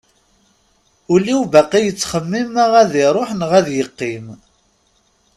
Ul-iw baqi yettxemmim ma ad iruḥ neɣ ad yeqqim.